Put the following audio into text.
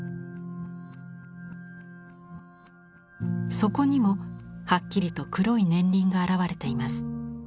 そこにもはっきりと黒い年輪が現れています。